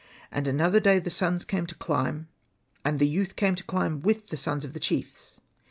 And another day the sons came to climb, and the youth came to climb with the sons of the chiefs.